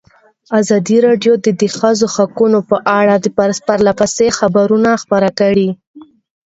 ازادي راډیو د د ښځو حقونه په اړه پرله پسې خبرونه خپاره کړي.